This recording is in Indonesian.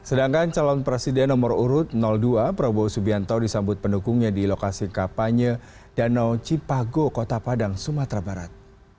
sedangkan calon presiden nomor urut dua prabowo subianto disambut pendukungnya di lokasi kapanya danau cipago kota padang sumatera barat